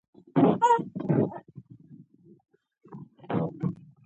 خو کله ناکله موږ کوچني شیان هېر کړو.